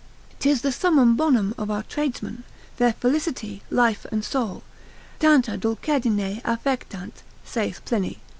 'Tis the summum bonum of our tradesmen, their felicity, life, and soul, Tanta dulcedine affectant, saith Pliny, lib.